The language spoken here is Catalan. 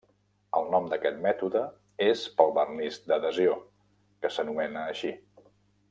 El nom d'aquest mètode és pel vernís d'adhesió, que s'anomena així.